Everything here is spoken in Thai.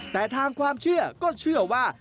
แต่ทางความเชื่อก็เชื่อว่า